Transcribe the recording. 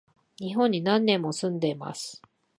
日本に何年も住んでます